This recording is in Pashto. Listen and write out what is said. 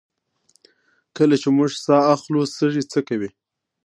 کله چې موږ ساه اخلو سږي څه کوي